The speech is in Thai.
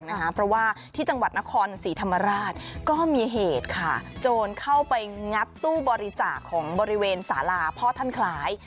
เพราะว่าที่จังหวัดนครศรีธรรมราชก็มีเหตุค่ะโจรเข้าไปงัดตู้บริจาคของบริเวณสาราพ่อท่านคล้าย